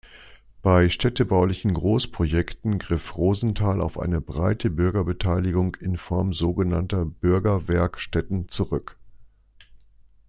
Bei städtebaulichen Großprojekten griff Rosenthal auf eine breite Bürgerbeteiligung in Form sogenannter „Bürgerwerk-Stätten“ zurück.